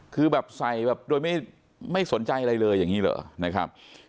คือแบบใส่แบบโดยไม่สนใจอะไรเลยอย่างนี้เหรอนะครับ